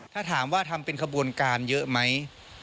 ถ้าถามว่าทำเป็นขบวนการเยอะไหม